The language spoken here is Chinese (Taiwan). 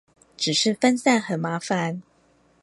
只是分散很麻煩